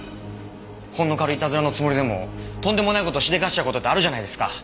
ほんの軽いイタズラのつもりでもとんでもない事をしでかしちゃうって事ってあるじゃないですか。